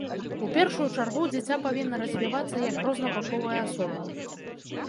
У першую чаргу, дзіця павінна развівацца як рознабаковая асоба.